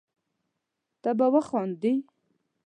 ته به وخاندي